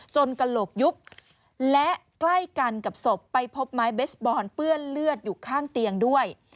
กระโหลกยุบและใกล้กันกับศพไปพบไม้เบสบอลเปื้อนเลือดอยู่ข้างเตียงด้วย